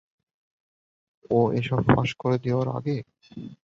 ও এসব ফাঁস করে দেবার আগে?